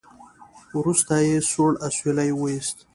وروسته يې سوړ اسويلی وېست.